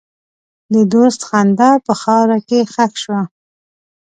د دوست خندا په خاوره کې ښخ شوه.